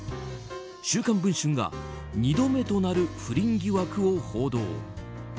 「週刊文春」が２度目となる不倫疑惑を報道。